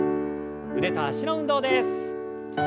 腕と脚の運動です。